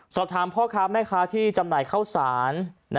สอบถามพ่อคาบที่จำหน่ายเข้าสาร